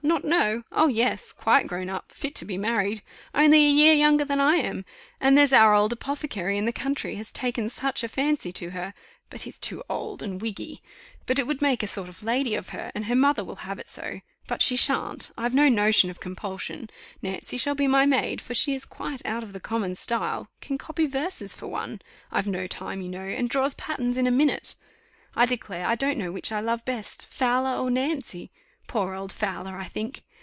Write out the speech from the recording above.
not know! Oh! yes, quite grown up, fit to be married only a year younger than I am. And there's our old apothecary in the country has taken such a fancy to her! But he's too old and wiggy but it would make a sort of lady of her, and her mother will have it so but she sha'n't I've no notion of compulsion. Nancy shall be my maid, for she is quite out of the common style; can copy verses for one I've no time, you know and draws patterns in a minute. I declare I don't know which I love best Fowler or Nancy poor old Fowler, I think.